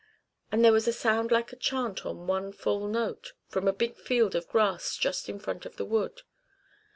And there was a sound like a chant on one full note from a big field of grass just in front of the wood.